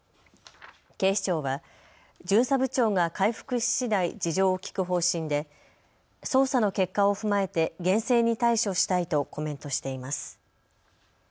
警視庁は巡査部長が回復ししだい事情を聴く方針で捜査の結果を踏まえて厳正に対処したいとコメントしています。